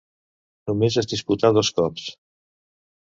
Només es disputà dos cops.